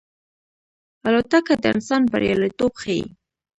الوتکه د انسان بریالیتوب ښيي.